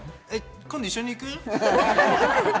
今度一緒に行く？